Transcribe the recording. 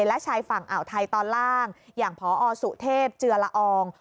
และชายฝั่งอ่าวไทยตอนล่างอย่างพอสุเทพเจือละออง